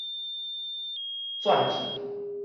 轉去